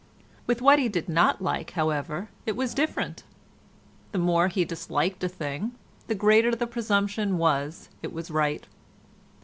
With what he did not like, however, it was different; the more he disliked a thing the greater the presumption that it was right.